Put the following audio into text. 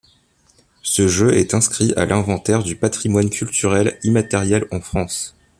Ce jeu est inscrit à l’Inventaire du patrimoine culturel immatériel en France.